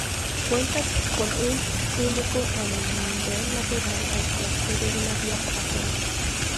Cuenta con un único anden lateral al que accede una vía pasante.